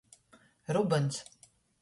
Rubyns.